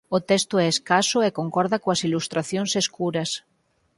O texto é escaso e concorda coas ilustracións escuras.